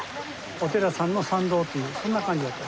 お寺さんの参道っていうそんな感じだった。